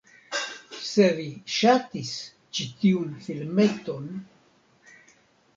Se vi ŝatis ĉi tiun filmeton